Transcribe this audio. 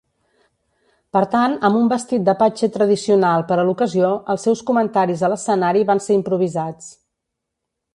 Per tant, amb un vestit d'apatxe tradicional per a l'ocasió, els seus comentaris a l'escenari van ser improvisats.